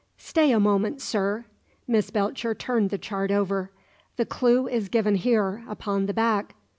"Stay a moment, sir." Miss Belcher turned the chart over. "The clue is given here, upon the back.